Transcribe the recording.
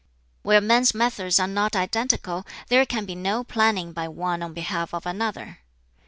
"Where men's methods are not identical, there can be no planning by one on behalf of another.